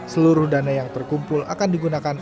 seluruh dana yang terkumpul akan digunakan